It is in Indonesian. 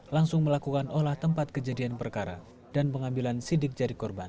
langsung melakukan olah tempat kejadian perkara dan pengambilan sidik jari korban